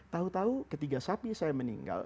tahu tahu ketika sapi saya meninggal